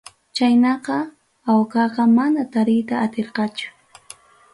Chaynaqa awqaqa mana tariyta atirqachu.